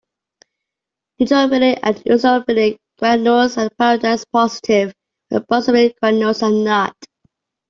Neutrophilic and eosinophilic granules are peroxidase-positive, while basophilic granules are not.